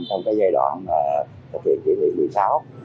trong giai đoạn thực hiện chỉ thị một mươi sáu